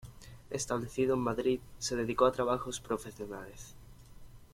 Establecido en Madrid, se dedicó a trabajos profesionales.